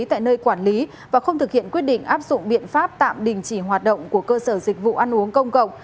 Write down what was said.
tại nơi quản lý và không thực hiện quyết định áp dụng biện pháp tạm đình chỉ hoạt động của cơ sở dịch vụ ăn uống công cộng